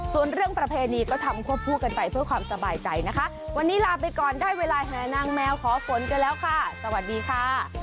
ส่วนเรื่องประเพณีก็ทำควบคู่กันไปเพื่อความสบายใจนะคะวันนี้ลาไปก่อนได้เวลาแห่นางแมวขอฝนกันแล้วค่ะสวัสดีค่ะ